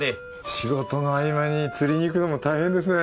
仕事の合間に釣りに行くのも大変ですね。